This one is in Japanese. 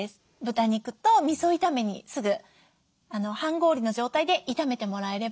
豚肉とみそ炒めにすぐ半氷の状態で炒めてもらえれば。